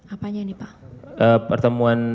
apanya ini pak pertemuan